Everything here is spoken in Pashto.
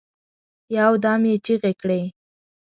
یو دم یې چیغي کړې